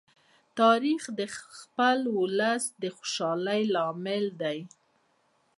تاریخ د خپل ولس د خوشالۍ لامل دی.